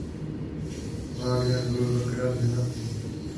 Wagner byl dvakrát ženatý.